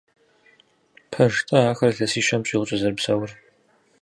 Пэж-тӏэ ахэр илъэсищэм щӏигъукӏэ зэрыпсэур?